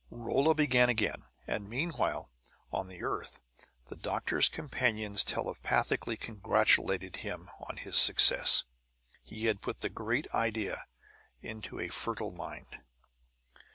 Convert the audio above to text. Rolla began again; and meanwhile, on the earth, the doctor's companions telepathically congratulated him on his success. He had put the great idea into a fertile mind.